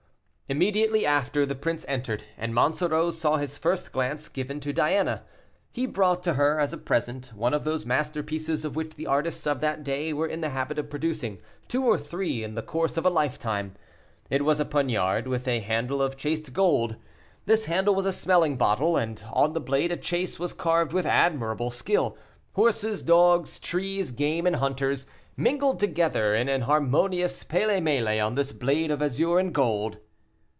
Immediately after the prince entered, and Monsoreau saw his first glance given to Diana. He brought to her, as a present, one of those masterpieces, of which the artists of that day were in the habit of producing two or three in the course of a lifetime. It was a poniard, with a handle of chased gold. This handle was a smelling bottle, and on the blade a chase was carved with admirable skill; horses, dogs, trees, game, and hunters, mingled together in an harmonious pêle mêle, on this blade of azure and gold.